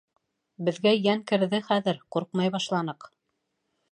Беҙгә йән керҙе хәҙер, ҡурҡмай башланыҡ.